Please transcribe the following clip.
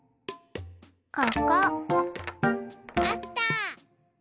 ここ。あった。